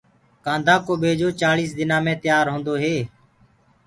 ڪآنڌآ ڪو ٻيجو چآززݪيِس دنآ مي تآر هوندو هي۔